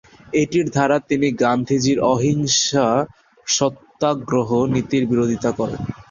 এটির দ্বারা তিনি গান্ধীজির অহিংসা সত্যাগ্রহ নীতির বিরোধিতা করেন।